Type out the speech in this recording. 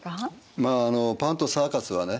まあパンとサーカスはね